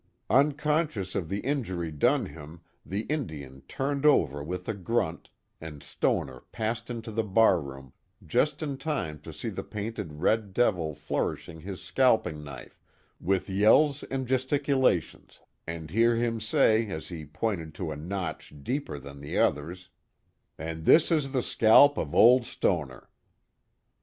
Unconscious of the injury done him the Indian turned over with a grunt, and Stoner passed into the barroom, just in time to see the painted red devil flourishing his scalping knife with yells and gesticulations, and hear him say, as he pointed to a notch deeper than Ihe others, "and this is the scalp of old Stoner."